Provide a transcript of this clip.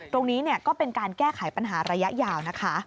ตรงนี้ก็เป็นการแก้ไขปัญหาระยะยาวนะคะ